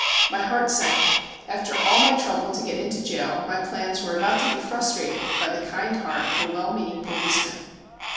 My heart sank. After all my trouble to get into jail, my plans were about to be frustrated by the kind heart of a well meaning policeman